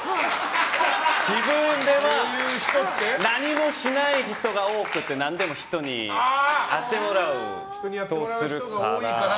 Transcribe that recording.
自分では何もしない人が多くて何でも人にやってもらおうとするから。